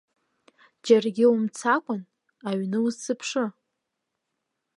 Џьаргьы умцакәан, аҩны усзыԥшы!